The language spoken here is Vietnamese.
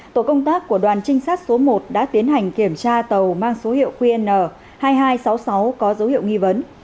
tổ công tác của đoàn trinh sát số một đã tiến hành kiểm tra tàu mang số hiệu qn hai nghìn hai trăm sáu mươi sáu có dấu hiệu nghi vấn